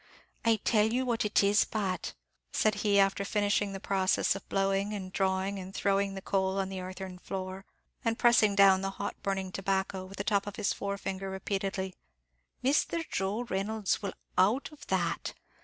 "I tell you what it is, Pat," said he, after finishing the process of blowing, and drawing, and throwing the coal on the earthen floor, and pressing down the hot burning tobacco with the top of his forefinger repeatedly, "Misthur Joe Reynolds will out of that.